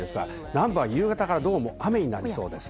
南部は夕方から雨になりそうです。